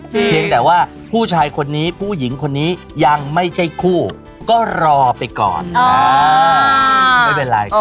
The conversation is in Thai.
เพียงแต่ว่าผู้ชายคนนี้ผู้หญิงคนนี้ยังไม่ใช่คู่ก็รอไปก่อนอ่าไม่เป็นไร